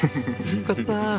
よかった。